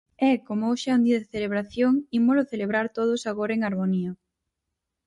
E, como hoxe é un día de celebración, ímolo celebrar todos agora en harmonía.